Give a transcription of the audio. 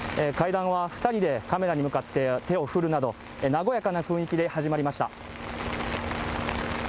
二人でカメラに向かって手を振るなど和やかな雰囲気で始まりました